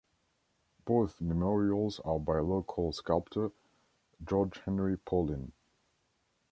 Both memorials are by local sculptor George Henry Paulin.